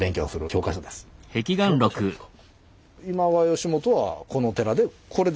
教科書ですか？